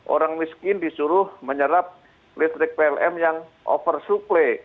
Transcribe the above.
orang miskin disuruh menyerap listrik pln yang oversupply